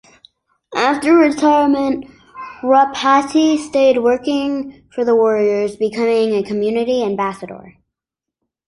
After retirement, Ropati stayed working for the Warriors, becoming a community ambassador.